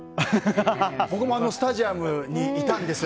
僕もスタジアムにいたんです